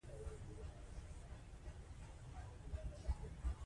افغانستان په نړۍ کې د قومونه له امله لوی شهرت لري.